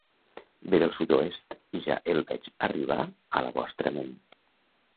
Ve del sud-oest i ja el veig arribar a la vostra ment.